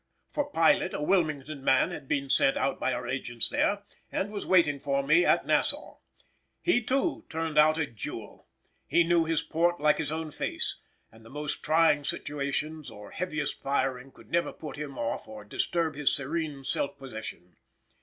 For pilot a Wilmington man had been sent out by our agents there, and was waiting for me at Nassau. He too turned out a jewel. He knew his port like his own face, and the most trying situations or heaviest firing could never put him off or disturb his serene self possession.